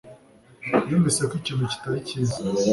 yumvise ko ikintu kitari cyiza.